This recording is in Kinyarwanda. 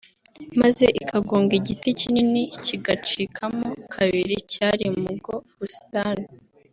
maze ikagonga igiti kinini kigacikamo kabiri cyari mu ubwo busitani